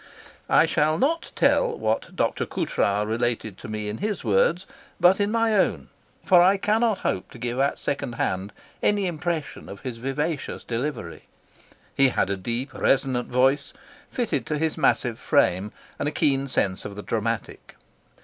I shall not tell what Dr. Coutras related to me in his words, but in my own, for I cannot hope to give at second hand any impression of his vivacious delivery. He had a deep, resonant voice, fitted to his massive frame, and a keen sense of the dramatic.